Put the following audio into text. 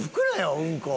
うんこを。